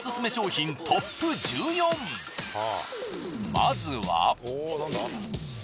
まずは。